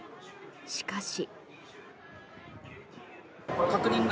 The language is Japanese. しかし。